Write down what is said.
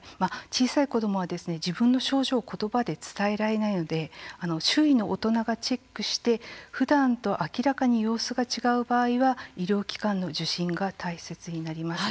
小さい子どもは、自分の症状をことばで伝えられないので周囲の大人がチェックしてふだんと明らかに様子が違う場合は医療機関の受診が大切になります。